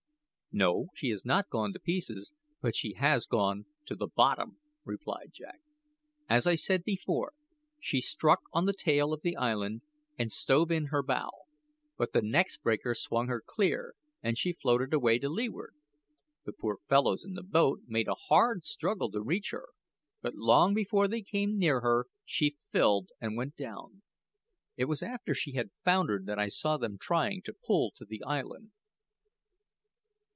"No, she has not gone to pieces; but she has gone to the bottom," replied Jack. "As I said before, she struck on the tail of the island and stove in her bow; but the next breaker swung her clear, and she floated away to leeward. The poor fellows in the boat made a hard struggle to reach her, but long before they came near her she filled and went down. It was after she had foundered that I saw them trying to pull to the island."